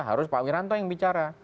harus pak wiranto yang bicara